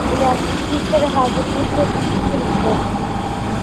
ئۇلاردىكى سىر ھازىرمۇ شۇ پېتى تۇرۇپتۇ.